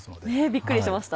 びっくりしました。